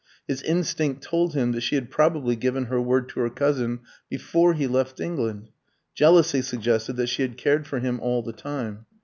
His instinct told him that she had probably given her word to her cousin before he left England; jealousy suggested that she had cared for him all the time.